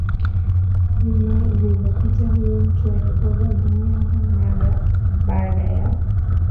juma liliopita huyu mtu alibwaga manyanga mara baada ya